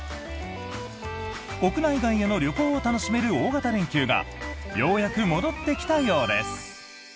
国内外への旅行を楽しめる大型連休がようやく戻ってきたようです。